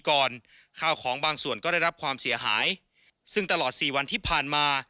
ข้าวของบางส่วนก็ได้รับความเสียหายซึ่งตลอดสี่วันที่ผ่านมา